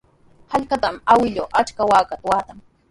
Hallqatrawmi awkilluu achka waakata waatan.